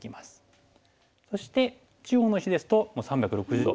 そして中央の石ですと３６０度。